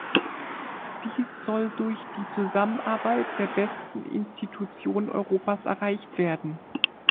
Dies soll durch die Zusammenarbeit der besten Institutionen Europas erreicht werden.